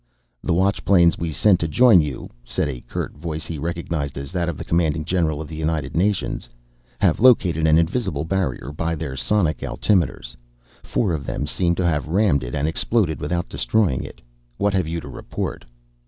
"The Watch planes we sent to join you," said a curt voice he recognized as that of the Commanding General of the United Nations, "have located an invisible barrier by their sonic altimeters. Four of them seem to have rammed it and exploded without destroying it. What have you to report?"